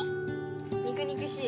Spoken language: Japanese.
肉肉しい。